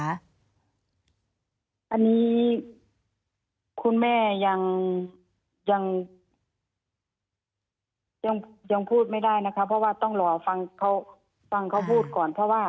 อันนี้คุณแม่ยังพูดไม่ได้นะคะเพราะว่าต้องรอฟังเขาฟังเขาพูดก่อนเพราะว่า